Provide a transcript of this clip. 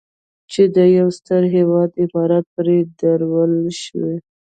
چې د یو ستر هېواد عمارت پرې درولی شو.